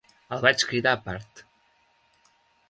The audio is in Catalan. El vaig cridar a part.